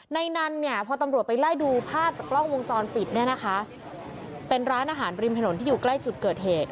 ในนั้นเนี่ยพอตำรวจไปไล่ดูภาพจากกล้องวงจรปิดเนี่ยนะคะเป็นร้านอาหารริมถนนที่อยู่ใกล้จุดเกิดเหตุ